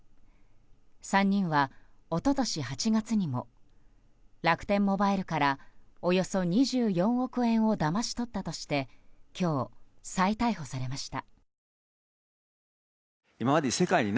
３人は、一昨年８月にも楽天モバイルからおよそ２４億円をだまし取ったとして今日、再逮捕されました。